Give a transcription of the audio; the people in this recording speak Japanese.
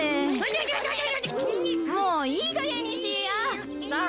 もういいかげんにしいや。